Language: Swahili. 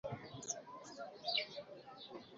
Chama cha utawala wa sheria